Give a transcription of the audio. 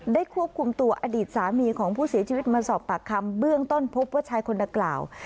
ควบคุมตัวอดีตสามีของผู้เสียชีวิตมาสอบปากคำเบื้องต้นพบว่าชายคนดังกล่าว